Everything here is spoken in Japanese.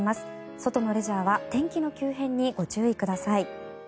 外のレジャーは天気の急変にご注意ください。